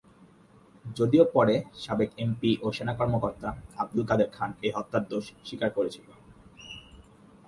যদিও পরে সাবেক এমপি ও সেনা কর্মকর্তা আব্দুল কাদের খান এ হত্যার দোষ স্বীকার করেছিল।